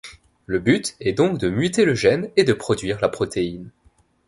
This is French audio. Le but est donc de muter le gène et de produire la protéine.